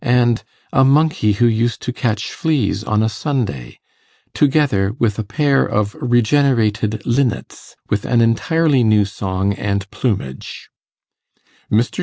_ and A Monkey who used to catch fleas on a Sunday!!!! Together with a Pair of regenerated LINNETS! With an entirely new song, and plumage. MR.